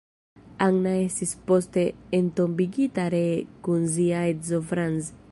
Anna estis poste entombigita ree kun sia edzo Franz.